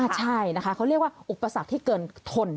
ใช่นะคะเขาเรียกว่าอุปสรรคที่เกินทน